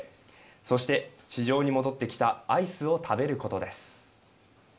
そして地上に戻ってきたアイスを食べることです。